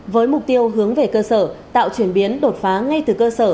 với mục tiêu hướng về cơ sở tạo chuyển biến đột phá ngay từ cơ sở